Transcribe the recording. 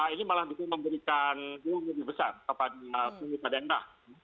ini malah bisa memberikan jauh lebih besar kepada pemerintah daerah